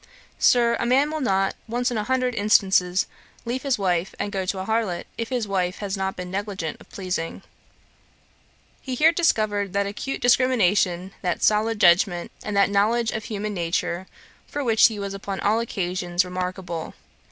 Sir, a man will not, once in a hundred instances, leave his wife and go to a harlot, if his wife has not been negligent of pleasing.' Here he discovered that acute discrimination, that solid judgement, and that knowledge of human nature, for which he was upon all occasions remarkable.